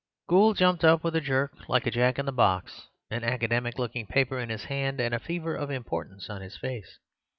Gould jumped up with a jerk like a jack in the box, an academic looking paper in his hand and a fever of importance on his face.